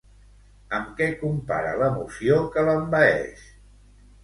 Amb què compara l'emoció que l'envaeix?